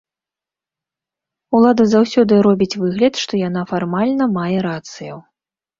Улада заўсёды робіць выгляд, што яна фармальна мае рацыю.